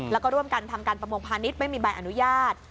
แล้วก็ร่วมกันทำการประมงพาณิชย์ไม่มีใบอนุญาต